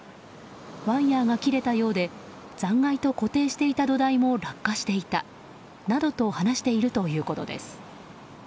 ワイヤが切れたようで残骸と固定していた土台も落下していたなどと話しているということです。